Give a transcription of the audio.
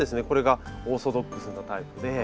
これがオーソドックスなタイプで。